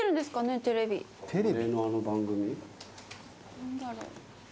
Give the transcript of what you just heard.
何だろう。